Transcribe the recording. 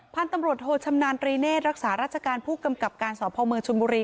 พันธุ์ตำรวจโทชำนาญตรีเนธรักษาราชการผู้กำกับการสพเมืองชนบุรี